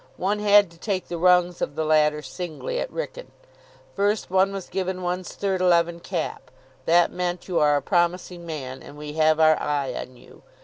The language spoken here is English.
One had to take the rungs of the ladder singly at Wrykyn. First one was given one's third eleven cap. That meant, "You are a promising man, and we have our eye on you."